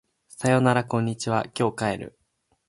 さよならこんにちは今日帰る